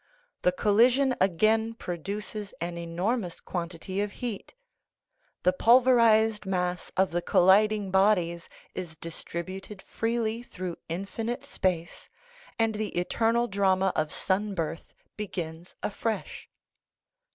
The col lision again produces an enormous quantity of heat. The pulverized mass of the colliding bodies is distrib uted freely through infinite space, and the eternal drama of sun birth begins afresh.